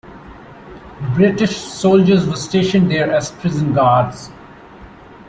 British soldiers were stationed there as prison guards.